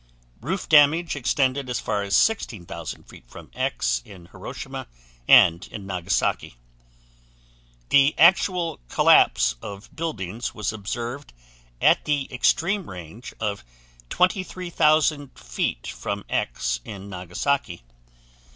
Roof damage extended as far as 16,000 feet from X in Hiroshima and in Nagasaki. The actual collapse of buildings was observed at the extreme range of 23,000 feet from X in Nagasaki.